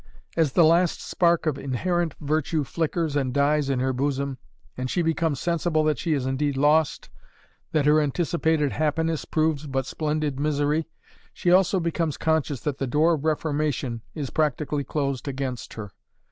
As the last spark of inherent virtue flickers and dies in her bosom, and she becomes sensible that she is indeed lost, that her anticipated happiness proves but splendid misery, she also becomes conscious that the door of reformation is practically closed against her.